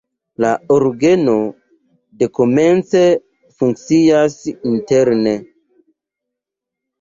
La orgeno dekomence funkcias interne.